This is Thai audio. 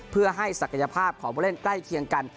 เพื่อให้ศักยภาพของผู้เล่นใกล้เคียงกัน